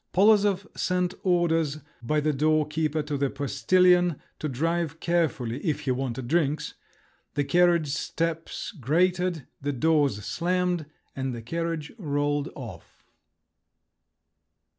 Polozov sent orders by the door keeper to the postillion to drive carefully—if he wanted drinks; the carriage steps grated, the doors slammed, and the carriage rolled off.